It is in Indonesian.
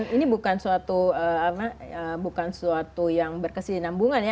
ini bukan suatu yang berkesinambungan ya